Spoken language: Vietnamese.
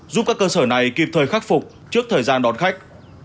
giúp các cơ sở này kịp thời khắc phục trước thời gian đón khách